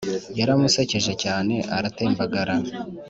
Yaramusekeje cyane aratembagara